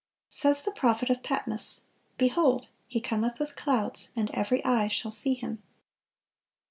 (459) Says the prophet of Patmos, "Behold, He cometh with clouds; and every eye shall see Him."